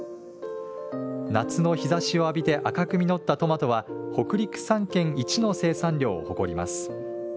夏の日ざしを浴びて赤く実ったトマトは北陸３県一の生産量を誇ります。